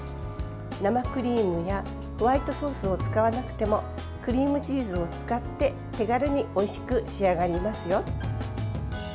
生クリームやホワイトソースを使わなくてもクリームチーズを使って手軽においしく仕上がりますよ。